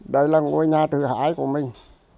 đây là ngôi nhà thứ hai của mình